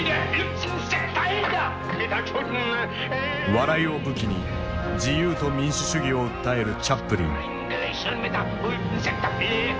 笑いを武器に自由と民主主義を訴えるチャップリン。